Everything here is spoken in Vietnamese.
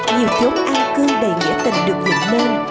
nhiều chốn an cư đầy nghĩa tình được vượt lên